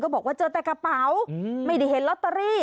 บอกว่าเจอแต่กระเป๋าไม่ได้เห็นลอตเตอรี่